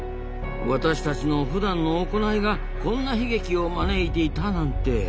私たちのふだんの行いがこんな悲劇を招いていたなんて。